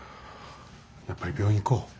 やっぱり病院行こう。